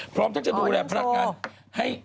พร้อมทั้งเจ้าผู้แรมพนักงาน